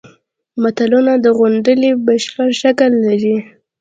متلونه د غونډلې بشپړ شکل لري